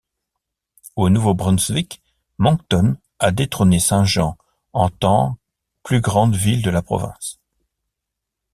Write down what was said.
Au Nouveau-Brunswick, Moncton a détrôné Saint-Jean en tant plus grande ville de la province.